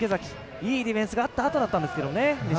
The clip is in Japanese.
いいディフェンスがあったあとだったんですが。